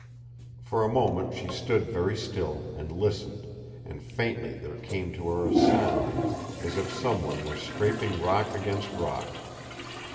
For a moment she stood very still, and listened, and faintly there came to her a sound, as if someone was scraping rock against rock.